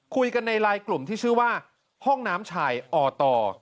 คุยกันในไลน์กลุ่มที่ชื่อว่าห้องน้ำชายอต